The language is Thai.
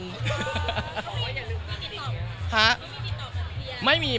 ก็ไม่มีติดต่อเราก็กลปิง